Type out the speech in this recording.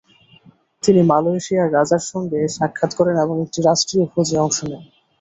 তিনি মালয়েশিয়ার রাজার সঙ্গে সাক্ষাৎ করেন এবং একটি রাষ্ট্রীয় ভোজে অংশ নেন।